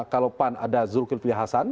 kalau pan ada zulkifli hasan